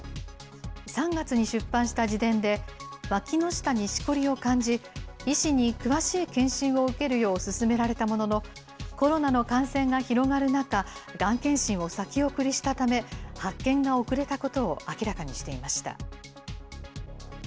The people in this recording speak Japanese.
３月に出版した自伝で、わきの下にしこりを感じ、医師に詳しい検診を受けるよう勧められたものの、コロナの感染が広がる中、がん検診を先送りしたため、発見が遅れたことを明らかにしていました。